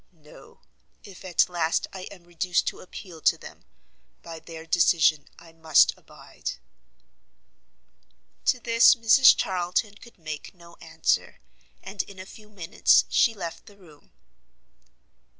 No; if at last I am reduced to appeal to them, by their decision I must abide." To this Mrs Charlton could make no answer, and in a few minutes she left the room.